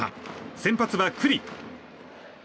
先発は九里。